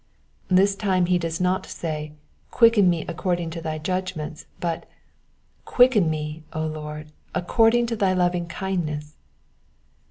This time he does not say, '* Quicken me according to thy judgments," but, "Quicken me, O Lord, according to thy lovingkindness."